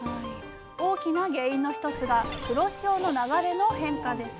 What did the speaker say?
大きな原因の一つが黒潮の流れの変化です。